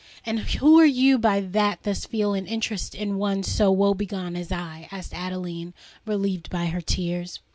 "And who are you that thus feel an interest in one so woe begone as I?" asked Adeline, relieved by her tears.